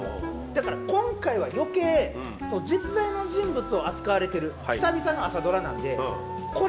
だから今回は余計実在の人物を扱われてる久々の「朝ドラ」なんでこれは楽しみです。